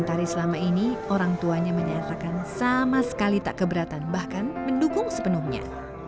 tari selama ini orang tuanya menyatakan sama sekali tak keberatan bahkan mendukung sepenuhnya